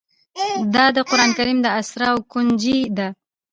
دا د قرآن کريم د اسرارو كونجي ده